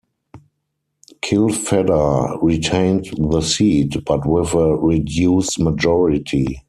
Kilfedder retained the seat but with a reduced majority.